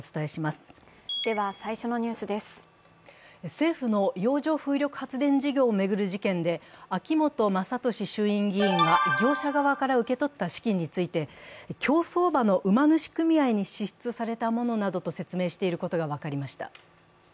政府の洋上風力発電事業を巡る事件で、秋本真利衆院議員が業者側から受け取った資金について競走馬の馬主組合に支出されたものなどと説明していることが分かりました。